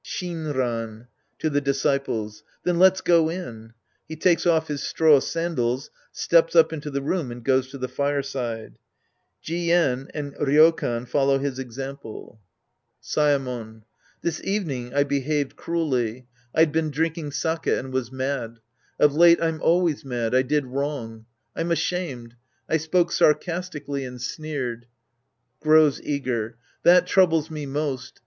Shinran (to the disciples). Then let's go in. (He takes off his straw sandals, steps up into the room and goes to the fireside. Jien and Ryokan /s/Zotf his example!) 44 The Priest and His Disciples Act I Saeinon. This evening I behaved cruelly. I'd been drinking sake and was mad. Of late I'm always mad. I did wrong. I'm ashamed. I spoke sarcastically and sneered. {Grows eager.) That troubles me most.